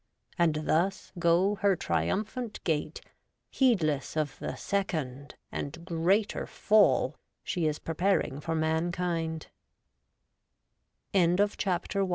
and thus go her triumphant gait heedless of the second and greater Fall she is preparing for mank